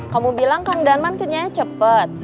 kamu bilang kang danman kejadiannya cepet